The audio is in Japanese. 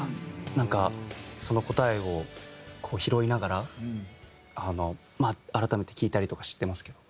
なんかその答えを拾いながら改めて聴いたりとかしてますけど。